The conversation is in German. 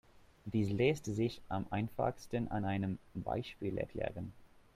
Dies lässt sich am einfachsten an einem Beispiel erklären.